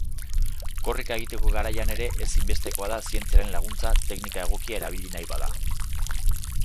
Korrika egiteko garaian ere ezinbestekoa da zientziaren laguntza teknika egokia erabili nahi bada.